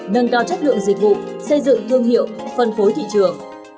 nâng cao chất lượng dịch vụ xây dựng thương hiệu phân phối thị trường